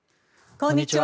こんにちは。